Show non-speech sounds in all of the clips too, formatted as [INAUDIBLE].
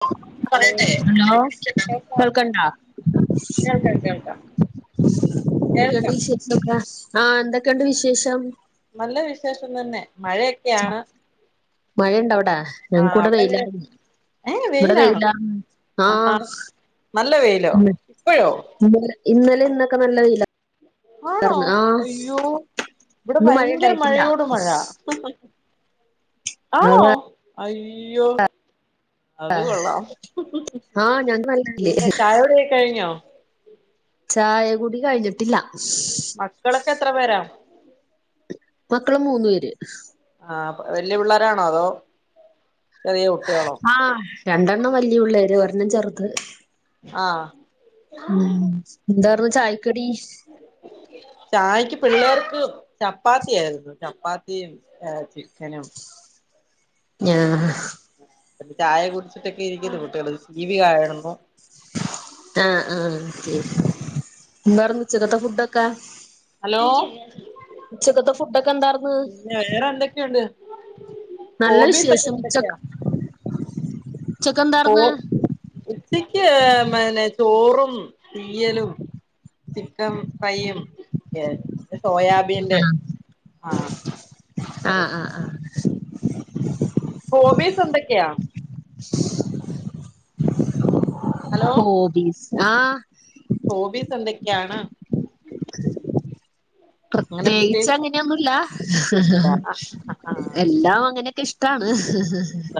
[UNINTELLIGIBLE] Hello പറയട്ടെ hello കേൾക്കാം കേൾക്ക്ണ്ടാ കേൾക്കാം കേൾക്കാം കേൾക്കാം ആഹ് എന്തൊക്കെയുണ്ട് വിശേഷം നല്ല വിശേഷം തന്നെ മഴയൊക്കെയാണ് മഴയുണ്ടവിടാ ആ ഞങ്ങക്കിവിടെ അവിടെ എങ്ങനെ വെയിലാണ് ഏ ഇവിടെ വെയിലാണോ വെയിലാണ് ആഹാ ആഹ് നല്ല വെയിലോ ഇല്ല ഇപ്പോഴോ ഉം ഇന്നലെ ഇന്നൊക്കെ നല്ല വെയില ആണോ അയ്യോ ഇവിടെ ഇന്ന് മഴ ഭയങ്കര ഉണ്ടായിട്ടില്ല മഴയോട് മഴ ആണോ അത അയ്യോ അത് കൊള്ളാം ആഹ് ഞങ്ങക്ക് നല്ല പിന്നെ വെയില് ചായകുടിയൊക്കെ കഴിഞ്ഞോ ചായ കൂടി കഴിഞ്ഞിട്ടില്ല മക്കളൊക്കെ എത്ര പേരാ മക്കള് മൂന്നു പേര് ആഹ് വല്ല്യ പിള്ളേരാണോ അതോ ചെറിയ കുട്ടികളോ? ആഹ് രണ്ടെണ്ണം വല്ല്യ പിള്ളേര് ഒരെണ്ണം ചെറുത് ആഹ് ഉം എന്താർന്ന് ചായക്കടി? ചായക്ക് പിള്ളേർക്ക് ചപ്പാത്തിയായിരുന്നു ചപ്പാത്തിയും, ചിക്കനും ങ്ങാഹ് അപ്പൊ ചായ കുടിച്ചിട്ടൊക്കെ ഇരിക്കുന്നു കുട്ടികള് ടിവി കാണുന്നു ആഹ് ആഹ് ഉം എന്താർന്നു ഉച്ചകത്തെ ഫുഡൊക്കെ? ഹലോ ഉച്ചക്കത്തെ ഫുഡൊക്കെ എന്താർന്ന് പിന്നെ വേറെ എന്തെക്കെയുണ്ട്? നല്ല ഹോബിസൊക്കെ വിശേഷം എന്തക്കെയാ? ഉച്ചക്ക് ഹോ എന്താർന്ന്? ഉച്ചക്ക് ഏഹേ പിന്നെ ചോറും തീയലും ചിക്കൻ ഫ്രൈയും ഒക്കെയാരുന്നു പിന്നെ സോയാബി ബിന്റെ ആഹ് ആഹ് കറി ആഹ് ആഹ് ഹോബീസ് എന്തൊക്കെയാ? ഹലോ ഹോബീസ് ആഹ് ഹോബീസ് എന്തക്കെയാണ്? പ്രത്യോകിച്ച് അങ്ങനെയൊന്നുല്ല ഇല്ല എല്ലാം അങ്ങനെയൊക്കെ ഇഷ്ട്ട ഇഷ്ട്ടാണ്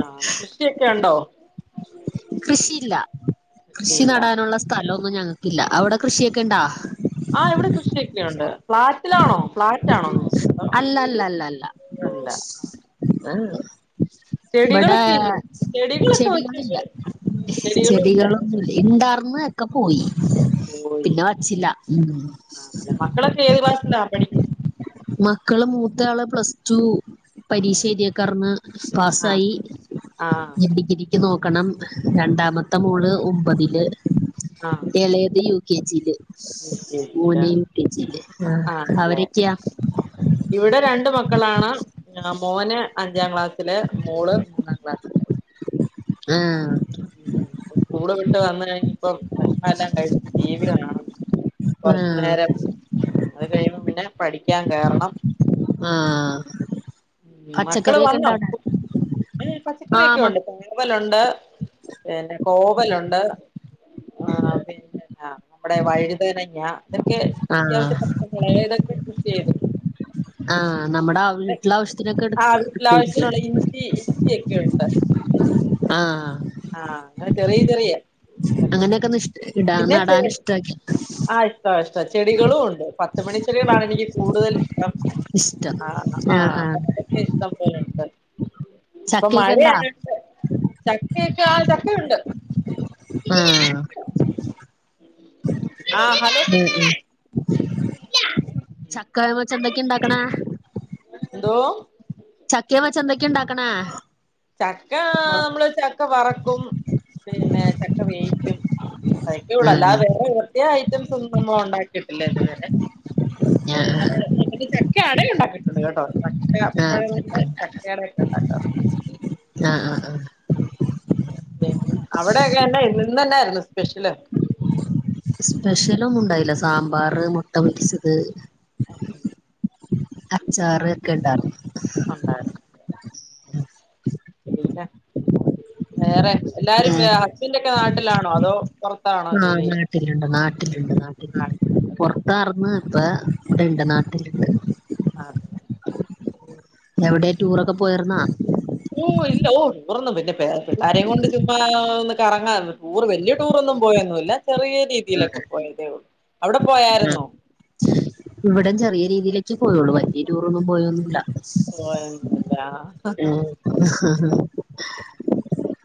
ആഹ് കൃഷിയൊക്കെയുണ്ടോ? കൃഷിയില്ല കൃഷി കൃഷിയില്ല നടാനുള്ള സ്ഥലമൊന്നും ഞങ്ങക്കില്ല അവിടെ കൃഷിയൊക്കെ ഇണ്ടോ? ആഹ് ഇവിടെ കൃഷിയൊക്കെയുണ്ട് ഫ്ലാറ്റിലാണോ ഫ്ളാറ്റാണോ? അതോ അല്ലല്ലല്ല അല്ല അല്ല ഇബടെ ചെടികളൊക്കെ ഇല്ലേ ചെടികളൊക്കെ വെച്ച് ചെടികളില്ല ചെടികളൊന്നും ഇല്ല ഇണ്ടാർന്ന് ഒക്കെ പോയി പോയി പിന്നെ വച്ചില്ല ഉം ആണല്ലേ മക്കളൊക്കെ ഏത് ക്ലാസിലാണ് പഠിക്കുന്നത്? മക്കള് മൂത്താള് പ്ലസ് ടു പരീക്ഷ ഉം എഴുതിയക്കാർന്ന് ആഹ് പാസ്സായി ആഹ് ഇഞ്ഞ് ഡിഗ്രി ഡ്രിഗ്രിക്ക് നോക്കണം രണ്ടാമത്തെ മോള് ഒമ്പതില് ആഹ് എളേത് യു കെ ജി. യില് യു കെ ജിലാ മോന് യു. കെ. ജില് ആഹ് ആണല്ലേ അവര് ഒക്കെയാ? ഇവിടെ രണ്ട് മക്കളാണ് ആഹ് മോന് അഞ്ചാം ക്ലാസ്സില് മോള് മൂന്നാം ക്ലാസി ആഹ് ഉം ഇപ്പൊ സ്കൂള് വിട്ട് വന്ന് കഴിഞ്ഞ് ഇപ്പം ഭഷണമെല്ലാം കഴിച്ചിട്ട് ടി വി കാണുന്നു ങ്ങാഹ് ഉം അത് കഴിയുമ്പം പിന്നെ പഠിക്കാൻ കേറണം ങ്ങാഹ് ഉം മക്കള് വന്നോ? ഉം ആഹ് പച്ചക്കറിയൊക്കെ മ ഉണ്ട് പാവലുണ്ട് പിന്നെ കോവലുണ്ട്, ആഹ് പിന്നെ നമ്മുടെ വഴുതനങ്ങ ഇതൊക്കെ ആഹ് അത്യാവിശ്യത്തിന് പച്ചമുളക് ഇതൊക്കെ കൃഷി ചെയ്തിട്ടുണ്ട് ആഹ് നമ്മുടെ വീട്ടില് ആവിശ്യത്തിനൊക്കെ എട് ആ വീട്ടിലാവശ്യത്തിനുള്ള ഇട്ക്കിയേക്കും ഇഞ്ചി ഇഞ്ചിയൊക്കെ ആഹ് ആഹ് അങ്ങനെ ചെറിയ ചെറിയ ഇതൊക്കെ അങ്ങനെയൊക്കെനിഷ് ഇടാൻ പിന്നെ ചെ നടാൻ ഇഷ്ട്ടൊക്കെ ഇഷ്ട ആ ഇഷ്ട ചെടികളും ഉണ്ട് പത്ത്മണി ചെടികളാണ് എനിക്ക് കൂടുതൽ ഇഷ്ടം ഇഷ്ടം ആ ആഹ് അതൊക്കെ ഇഷ്ടം പോലുണ്ട് ഇപ്പൊ ചക്കയൊക്കെ ഇണ്ടാ മഴയായോണ്ട് ചക്കയൊക്കെ ആ ചക്കയുണ്ട്. ആഹ് ആഹ് ഹലോ ചക്കാ മെച്ച് എന്തൊക്കെ ഇണ്ടാക്കണെ? എന്തോ? ചക്കേം വെച്ച് എന്തെക്കെ ഇണ്ടാക്ക്ണെ ചക്കാ നമ്മള് ചക്ക വറക്കും പിന്നെ ചക്ക വേവിക്കും അതക്കെയുള്ളൂ ആഹ് അല്ലാതെ വേറെ പ്രത്യേക ഐറ്റംസ് ഒന്നും നമ്മൾ ഉണ്ടാക്കിയിട്ടില്ല ഇതുവരെ ആഹ് വേറെ എന്നിട്ട് ചക്ക അട ഉണ്ടാക്കിയിട്ടുണ്ട് കേട്ടോ ചക്ക ആഹ് പഴംകൊണ്ട് ചക്കണ്ട ചക്ക അടയൊക്കെ ഉണ്ടാക്കാം ആഹ് ആഹ് ആഹ് അവിടൊക്കെന്ന ഇന്നെന്നായിരുന്നു സ്പെഷ്യല്? സ്പെശെലൊന്നും ഇണ്ടായില സാമ്പാറ്, മൊട്ട പൊരിച്ചത് ആ അച്ചാറ്ക്കെണ്ടാർന്ന് ഒണ്ടാര് [INAUDIBLE] വെയില വേറെ എല്ലാരും നേരെ വേറെ ഹസ്ബന്റൊക്കെ നാട്ടിലാണോ അതോ പൊർത്താണോ ജോലി? ട്ടിലിണ്ട് നാട്ടിലിണ്ട് നാട്ടിലിണ്ട് നാട്ടിലുണ്ടല്ലേ പൊർ ത്താർന്ന് ഇപ്പ ഇവിടെണ്ട് നാട്ടിലിണ്ട് ആതെ എവിടെ ടൂറൊക്കെ പോയാർന്നാ? ഓഹ് ഇല്ല ഓഹ് ടുറൊന്നും പിന്നെ പിള്ളാരേം കൊണ്ട് ചുമ്മാ ഒന്ന് കറങ്ങാൻ ടൂർ വല്യ ടൂറൊന്നും പോയെന്നുല്ല ചെറിയ രീതിയിലൊക്കെ പോയതേഉള്ളു അവിടെ പോയാരുന്നോ? ഇവിടേം ചെറിയെ രീതിയിലെക്കെ പോയൊള്ളൂ വല്യറ്റൂറൊന്നും പോയൊന്നുല്ല. പോയൊന്നുല്ലാ?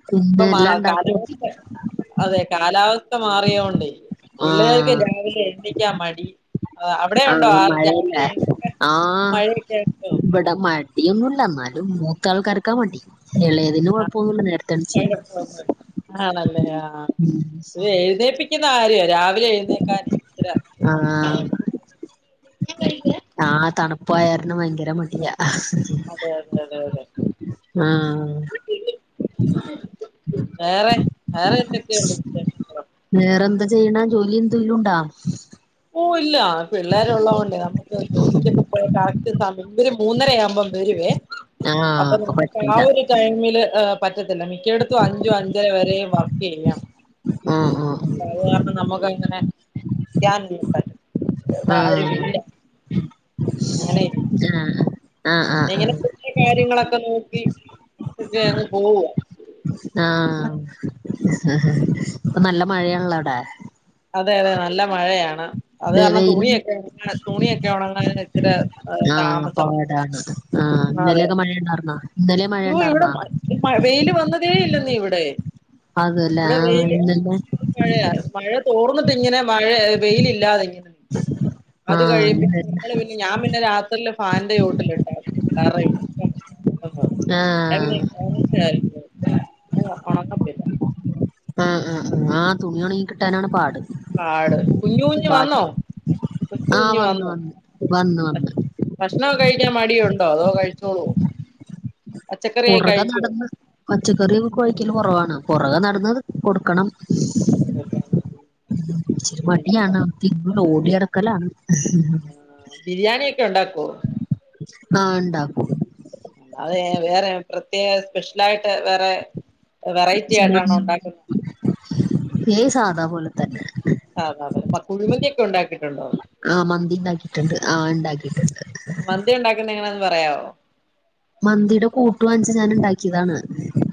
പിന്നെ ഇപ്പൊ മാ എല്ലാം ഇണ്ടാക്കു ഓ കാലാവസ്ഥ അതെ കാലാവസ്ഥ മാറിയോണ്ടെ പിള്ളേരൊക്കെ ആഹ് രാവിലെ എ ണീക്കാൻ മടി അവിടെ ഉണ്ടോ ആഹ് ആള് രാവിലെ മഴയല്ലേ എഴുന്നേക്കാൻ ആഹ് മഴൊയൊക്കെ ഉണ്ടോ? ഇവിടെ മടിയൊന്നുല്ല ഇന്നാലും മൂത്ത ആൾക്കാർക്കാ മടി എളേതിന് ആ കൊഴപ്പൊന്നുല്ല നേരത്തെ എണീച്ച് ചെയ്യും ആണല്ലേ ആഹ് ഇത് എഴുന്നേപ്പിക്കുന്ന കാര്യ രാവിലെ എഴുന്നേ ക്കാനെ ആഹ് [UNINTELLIGIBLE] ആഹ് തണുപ്പായ കാരണം ഭയങ്കര മടിയാ ആഹ് അതെ അതെയതെയതെ ആഹ് വേറെ വേറെ എന്തൊക്കെയുണ്ട്? വിശേഷങ്ങള് വേറെന്താ ചെയ്യണെ ജോലി എന്തേലുണ്ടാ? ഓഹ് ഇല്ല പിള്ളേര് ഒള്ളകൊണ്ടേ നമുക്ക് ജോലിക്കൊക്കെ പോയ കറക്ട് സ ഇവര് മൂന്നര ആവുമ്പം വരുവേ അപ്പൊ ആഹ് നമക്ക് ആ പറ്റൂല ഒരു ടൈമില് ഏഹ് പറ്റത്തില്ല മിക്കേടത്തും അഞ്ചും അഞ്ചര വരെയും വർക്ക് ചെയ്യാം ആഹ് ആഹ് അത് കാരണം നമുക്ക് അങ്ങനെ [UNINTELLIGIBLE] ആഹ് ഇവിടാരു ആഹ് ഇല്ല [UNINTELLIGIBLE] ആഹ് ആഹ് ആഹ് എങ്ങനെ? ആഹ് വീട്ടിലെ കാര്യങ്ങളൊക്കെ നോക്കി ഒക്കെ അങ്ങ് പോവാ. ആഹ്‌ ഇപ്പ നല്ല മഴയാണല്ലോ അവടെ. അതെ അതെ നല്ല മഴയാണ്. അത് വെ കാരണം വെയിലും തുണിയൊക്കെ ഇങ്ങ തുണിയൊക്കെ ഉണങ്ങാന് ഇച്ചിരെ ആഹ് താമസവാ. പാടാണ് ആഹ് ഇന്നലെയൊക്കെ മഴണ്ടാർന്നാ ഇന്നലെ യ്യോ ഇവിടെ മഴയ്ണ്ടാർന്നാ? മ മ വെയില് വന്നതേ ഇല്ലെന്നേ ഇവടെ. അതല്ലേ ഇവടെ ആഹ് വെയില് ഇന്നലെ മഴയാ മഴ തോർന്നിട്ട് ഇങ്ങനെ മഴ വെയിലില്ലാതെ ഇങ്ങനെ നി ക്കും. അത് ആഹ് കഴിയും പിന്നെ ഇന്നലെ നമ്മള് പിന്നെ ഞാൻ പിന്നെ രാത്രീല് ഫാനിന്റെ ചോട്ടിലിട്ടാ ആഹ് [UNINTELLIGIBLE] [UNINTELLIGIBLE] ഒണങ്ങത്തില്ല ആഹ് ആഹ്. ആഹ് തുണിയൊണങ്ങി കിട്ടാനാണ് പാട്. പാട് കുഞ്ഞൂഞ് കാറ്റ് വന്നോ. കൊച്ചു ആഹ് വന്ന് വന്ന് വന്ന് വന്ന്. ഭക്ഷ്ണൊക്ക കഴിക്കാൻ മടിയുണ്ടോ അതോ കഴിച്ചോളോ? പച്ചക്കറിയൊക്കെ പുറകെ കഴിക്കുവോ നടന്ന് പച്ചക്കറി ഒക്കെ കൊഴിക്കല് കൊറവാണ് പൊറകെ നടന്നത് കൊടുക്കണം. കൊടുക്കണം. ഇച്ചിരി മടിയാണ് തിന്നൂല ഓടിയടക്കലാണ്. ബിരിയാണിയെ ക്കെ ഉണ്ടാക്കോ? ആഹ് ണ്ടാക്കും. അല്ലാതെ വേറെ പ്രത്യേക സ്പെഷ്യലായിട്ട് വേറെ വെറൈറ്റി ആയിട്ടാണോ ഉണ്ടാക്കുന്നത് [UNINTELLIGIBLE] ഈ സാധാ പോലെ തന്നെ. സാധാ പോലെ കുഴിമന്തിയൊക്കെ ഉണ്ടാക്കിയിട്ടുണ്ടോ ആഹ് മന്തി ഇണ്ടാക്കീട്ട്ണ്ട് ആഹ് ഇണ്ടാക്കീട്ട്ണ്ട്. മന്തിയുണ്ടാക്കുന്ന എങ്ങനാന്ന് പറയാവൊ? മന്തീടെ കൂട്ടു വാങ്ങിച്ച് ഞാന് ഇണ്ടാക്കീതാണ്.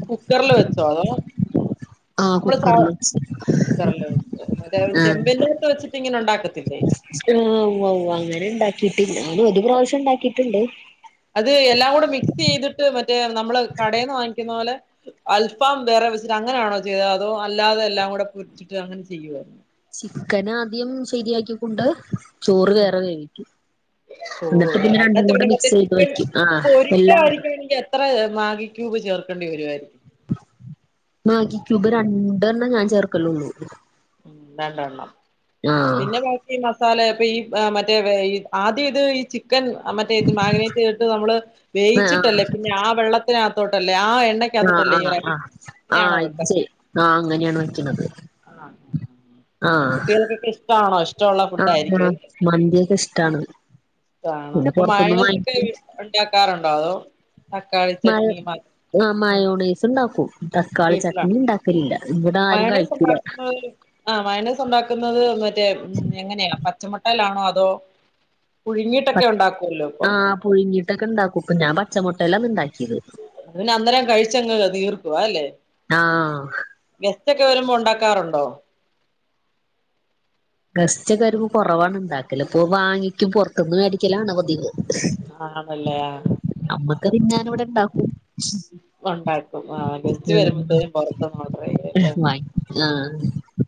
കുക്കറില് വെച്ചോ അതോ, ആഹ് നമ്മള് ഫോ, കുക്കറിൽ വെച്ച് കുക്കറില് വെച്ച് മറ്റേ ആഹ് ചെമ്പിൻ്റെക ത്ത് വെച്ചിട്ടിങ്ങനെ ഉണ്ടാക്കത്തില്ലേ. ആഹ് ഉവ്വ ഉവ്വ അങ്ങനെ ഇണ്ടാക്കീട്ടില്ല. ഞാന് ഒരു പ്രാവശ്യം ഇണ്ടാക്കീട്ട്ണ്ട്. അത് എല്ലാം കൂടെ മിക്സെയ്തിട്ട് മറ്റേ നമ്മള് കടേന്ന് വാങ്ങിക്കുന്ന പോലെ. അൽഫാം വേറെ വെച്ചിട്ട് അങ്ങനാണോ ചെയ്തെ അതോ അല്ലാതെ എല്ലാം കൂടെ പൊരിച്ചിട്ട് അങ്ങനെ ചെയ്യോ? ചിക്കനാദ്യം ശരിയാക്കിക്കൊണ്ട് ചോറ് ഉം വേറെ വേവിക്കും. ചോറ് എന്നിട്ട് പിന്നെ രണ്ടും അതിനകത്ത് കൂടെ പിന്നെ മറ്റേ മിക്സെയ്ത് ചിക്കൻ വെക്കും ആഹ് എല്ലാം. പൊരിക്കായിരിക്കുവാണെങ്കിൽ എത്ര മാഗിക്യൂബ് ചേർക്കെണ്ടി വരുവായിരിക്കും? മാഗി ക്യൂബ് രണ്ടെർണ്ണം ഞാൻ ചേർക്കലൊള്ളൂ. ഉം രണ്ടെണ്ണം. ആഹ് പിന്നെ ബാക്കി മസാല ഇപ്പെ യീ മറ്റേ വേ ആദ്യ ഇത് ഈ ചി ക്കൻ മറ്റേ ഇത് മാഗ് നേറ്റ് ചെയ്തിട്ട് നമ്മള് ആഹ് വേയിച്ചിട്ടല്ലേ പിന്നെ ആ വെള്ള ത്തിനകത്തോട്ടല്ലേ ആ എണ്ണയ് ആഹ് ആഹ് ആഹ് ആഹ് അജ്ജെ ആ അങ്ങനെയാണ് വയ്ക്ണത്. ആഹ്. കുട്ട്യേൾക്കൊക്കെ ഇഷ്ടാണോ ഇഷ് ട്ടോള്ള ഫുഡ്ഡായിരിക്ക്യു ആഹ് അല്ലെ? മന്തിയൊക്കെ ഇഷ്ടാണ് ഇഷ്ടാണ്. പിന്നെ അപ്പൊ പുറത്തുന്ന് മയോണൈസൊക്കെ വാങ്ങിക്കും വീ ഉണ് ടാക്കാറുണ്ടോ അതോ. തക്കാളി മയ ചട്നി മാ ആ ഉം മയോണേസ്ണ്ടാക്കും തക്കാളി വീട്ടിലാണ് ചട്നിണ്ടാകും ഇല്ല ഇവിടെ ആരും കഴിക്കൂല ഉം ആഹ് മയോനൈസ് ഉണ്ടാക്കുന്നത് മറ്റേ എങ്ങനെയാ പച്ചമുട്ടേലാണോ അതോ പുഴുങ്ങീട്ടൊക്കെ ഉണ്ടാക്കുവല്ലോ ഇപ്പം പുഴുങ്ങിട്ടൊക്കെ ഇണ്ടാക്കും ഞാൻ പച്ച മൊട്ടേലാത് ഇണ്ടാക്കിയത് അത് പിന്നേ അന്നേരം കഴിച്ചങ്ങു തീർക്കും അതല്ലേ ആഹ് ഗെസ്റ്റക്കെ വരുമ്പോ ഉണ്ടാക്കാറൊണ്ടോ ഗസ്റ്റൊക്കെ വരുമ്പോ കുറവാണ് ഇണ്ടാക്കല് ഇപ്പൊ വാങ്ങിക്കും പുറത്തുനിന്ന് മേടിക്കലാണ് പതിവ് ആണല്ലേ ആഹ് അമ്മക്ക് തിന്നാനിവിടെ ഇണ്ടാക്കും ഉണ്ടാക്കും ആഹ് ഗസ്റ്റ് വരുമ്പോത്തേനും പുറത്തുന്നോഡറെയ്യുംല്ലേ ആ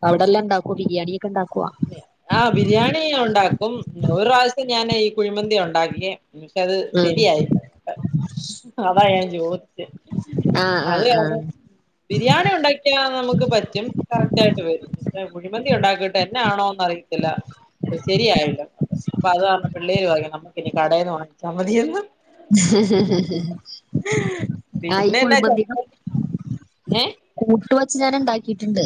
അവിടെല്ലാം ഉണ്ടക്കോ ബിരിയാണിയൊക്കെ ഉണ്ടാക്കുവോ ആഹ് ബിരിയാണി ഉണ്ടാക്കും ഒരു പ്രാവശ്യം ഞാനെ ഈ കുഴിമന്തി ഉണ്ടാക്കി പക്ഷേ അത് ഉം ശരിയായില്ല അതാ ഞാൻ ചോദിച്ചെ ആഹ് അത് ആഹ് ആഹ് കാരണം ബിരിയാണി ഉണ്ടാക്കിയാ നമുക്ക് പറ്റും കറക്റ്റ് ആയിട്ട് വരും കുഴിമന്തി ഉണ്ടാക്കിയിട്ട് എന്നാണോ അറിയത്തില്ല ശരിയായില്ല അപ്പത് കാരണ പിള്ളേര് പറയും നമുക്കിനി കടയേന്ന് വാങ്ങിച്ചാ മതിയെന്ന് ആ ഈ പിന്നെന്നാ കുഴിമന്തിയാ ഏഹ് കൂട്ട് വച്ച് ഞാൻ ഉണ്ടാക്കിയിട്ടുണ്ട്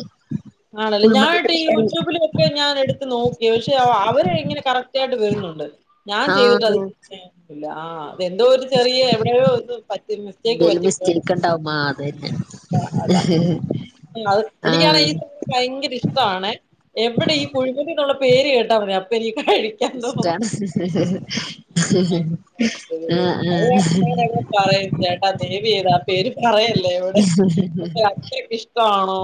ആണല്ലോ ഞാനായിട്ട് ഈ യൂട്യൂബിലൊക്കെ ഞാൻ എടുത്ത് നോക്കി പക്ഷെ അവരെ ഇങ്ങനെ കറക്റ്റായിട്ട് വരുന്നുണ്ട്. ഞാൻ ചെയ്തിട്ട് ആഹ് അത് ശരിയാവൂല ആഹ് എന്തോ ഒരു ചെറിയ എവിടെയോ ഒന്ന് പറ്റി മിസ്റ്റേക്ക് എന്തേലും പറ്റിപ്പോ മിസ്റ്റേക്ക് ഇണ്ടാവും ആഹ് അതന്നെ അതാ അതാണ് അഹ് എനിക്കാണെ ആഹ് ഈ ഭയങ്കര ഇഷ്ടവാണേ എവിടെ ഈ കുഴിമന്തിന്നുള്ള പേര് കേട്ടാ മതി അപ്പനിക്ക് കഴി ഇഷ്ട്ടാണ് ആ അത് ആഹ് കാരണം ഞാനവിടെ പറയും ചേട്ടാ ദെയ്‌വ് ചെയ്ത്ആ പേര് പറയല്ലേ എവിടെ അത്രക്കിഷ്ട്ടാണോ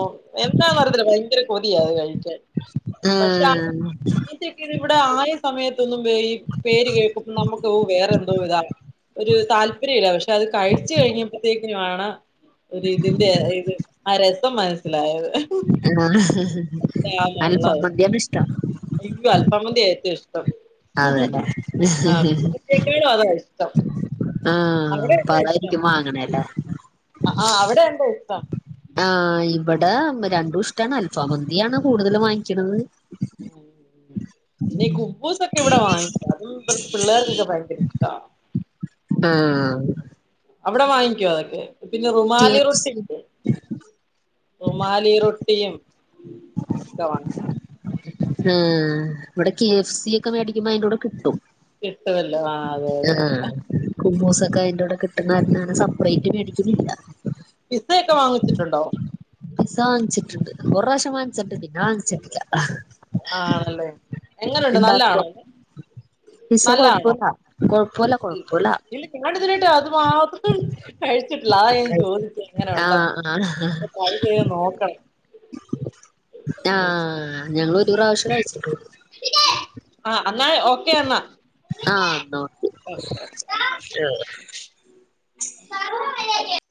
എന്താന്ന് അറയത്തില്ല ഭയങ്കര കൊതിയാ അത് കഴിക്കാൻ ആഹ് ഇവിടെക്കിത് ആയ സമയത്തൊന്നും ഈ പേര് കേൾക്കുമ്പ നമുക്ക് വേറെന്തോ ഇതാണ് ഒരു താല്പര്യമില്ല പക്ഷെ അത് കഴിച്ചു കഴിഞ്ഞപ്പോത്തേക്കും ആണ് ഒരു ഇതിന്റെ ഇത് ആ രസം മനസ്സിലായത് ആഹ് അൽഫാ മന്തിയാണ് ഇഷ്ടം എനിക്കും അൽഫാമന്തി ഏറ്റവും ഇഷ്ടം അതെല്ലേ ആ കെട്ട്യോനും അതാ ഇഷ്ടം ആഹ് അവിടെ അപ്പതായിരിക്കും വാങ്ങണെല്ലേ ആഹ് അവിടെയെന്ത് ഇഷ്ടം ആഹ് ഇവിടെ രണ്ടും ഇഷ്ട്ടാണ് അൽഫാ മന്തിയാണ് കൂടുതലും വാങ്ങിക്കണത് [INAUDIBLE] പിന്നെ ഈ കുബൂസൊക്കെ ഇവിടെ വാങ്ങിക്കും അതും ഇവർക്ക് പിള്ളേർക്കൊക്കെ ഭയങ്കര ഇഷ്ട്ടവാ ആഹ് അവിടെ വാങ്ങിക്കോ അതൊക്കെ പിന്നെ K rumali F roti C rumali റൊട്ടിയും ഒക്കെ വാങ്ങിക്കും ആഹ് ഇവിടെ കെ എഫ് സി ഒക്കെ മേടിക്കുമ്പോ അയിന്റൂടെ കിട്ടും കിട്ടുവല്ലോ ആ അതെ അതെ അതെ കുബ്ബൂസൊക്കെ അയിന്റൂടെ കിട്ടുന്നെ കാരണം അങ്ങനെ സപ്പറേറ്റ് മേടിക്കുന്നില്ല പിസ്സയക്കെ വാങ്ങിച്ചിട്ടുണ്ടോ പിസ്സാ വാങ്ങിച്ചിട്ടുണ്ട് ഒറാവശ്യം വാങ്ങി ച്ചിട്ട്ണ്ട് പിന്നെ വാങ്ങിച്ചില്ല ആണല്ലേ എങ്ങനുണ്ട് ഇണ്ടാക്ക്വൊ നല്ലാണോ പിസ്സ കുഴപ്പ്ല്ല കൊഴപ്പ്ല്ല ഉം ഇല്ല ഞാൻ ഇതുവരായിട്ട് അതു മാത്രം കഴിച്ചിട്ടില്ല അതാ ഞാൻ ചോദിച്ചെ എങ്ങനൊണ്ടെന്ന് ആഹ് ആഹ് അപ്പ ട്രൈ ചെയ്ത് നോക്കണം ഉം ആഹ് ഞങ്ങളൊരു പ്രാവശ്യേ കഴിച്ചിട്ടൊള്ളൂ ആഹ് അന്നാ ഓക്കെ അന്നാ ആഹ് എന്നാ ഓക്കെ ആഹ് സർവ്വ [UNINTELLIGIBLE]